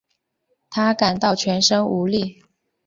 她感到全身无力